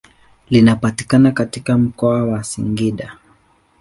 Linapatikana katika mkoa wa Singida.